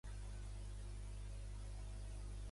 Ferry Road més tard va portar línies de tramvia a Sumner.